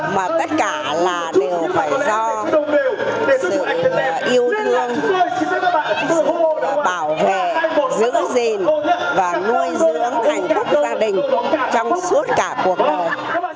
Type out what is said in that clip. mà tất cả là đều phải do sự yêu thương sự bảo vệ giữ gìn và nuôi dưỡng hạnh phúc gia đình trong suốt cả cuộc đời